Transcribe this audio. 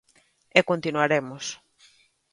E continuaremos.